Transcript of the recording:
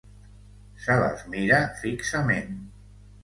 Se les mira fixament.